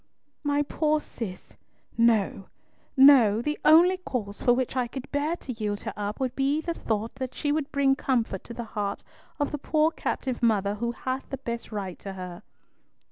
"My poor Cis! No, no! The only cause for which I could bear to yield her up would be the thought that she would bring comfort to the heart of the poor captive mother who hath the best right to her."